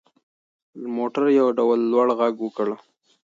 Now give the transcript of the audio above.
موټر یو ډول لوړ غږ وکړ.